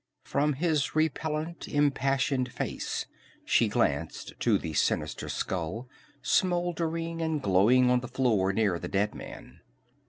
From his repellent, impassioned face she glanced to the sinister skull, smoldering and glowing on the floor near the dead man.